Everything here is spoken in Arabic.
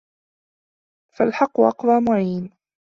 فَالْحَقُّ أَقْوَى مُعِينٍ